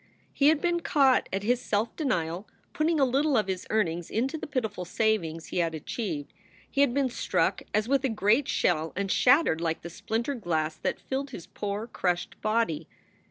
He had been caught at his self denial, putting a little of his earnings into the pitiful savings he had achieved. He had been struck as with a great shell and shattered like the splintered glass that filled his poor, crushed body.